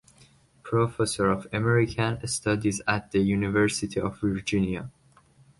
Professor of American Studies at the University of Virginia.